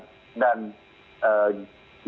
oke dengan realokasi dan refocusing untuk kesehatan